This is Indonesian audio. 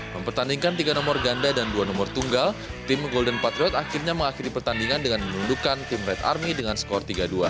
mempertandingkan tiga nomor ganda dan dua nomor tunggal tim golden patriot akhirnya mengakhiri pertandingan dengan menundukkan tim red army dengan skor tiga dua